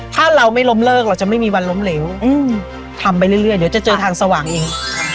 ถ้าเราไม่ล้มเลิกเราจะไม่มีวันล้มเหลวทำไปเรื่อยเดี๋ยวจะเจอทางสว่างเอง